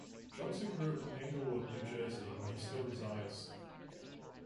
Johnson grew up in Englewood, New Jersey where he still resides.